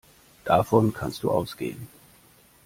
Davon kannst du ausgehen.